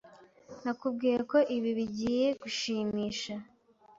Nakubwiye ko ibi bigiye gushimisha.